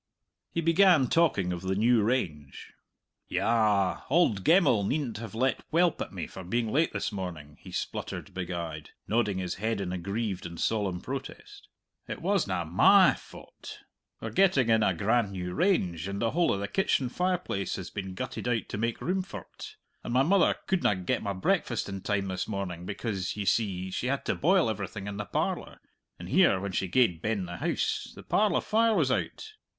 He began talking of the new range. "Yah! Auld Gemmell needn't have let welp at me for being late this morning," he spluttered big eyed, nodding his head in aggrieved and solemn protest. "It wasna my faut! We're getting in a grand new range, and the whole of the kitchen fireplace has been gutted out to make room for't; and my mother couldna get my breakfast in time this morning, because, ye see, she had to boil everything in the parlour and here, when she gaed ben the house, the parlour fire was out!